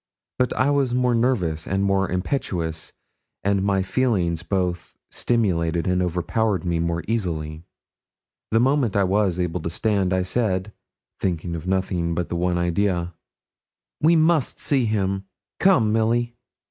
But I was more nervous and more impetuous, and my feelings both stimulated and overpowered me more easily. The moment I was able to stand I said thinking of nothing but the one idea 'We must see him come, Milly.'